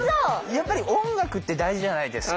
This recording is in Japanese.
やっぱり音楽って大事じゃないですか。